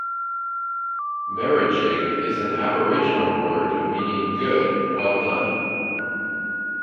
Merrijig is an Aboriginal word meaning "good, well done".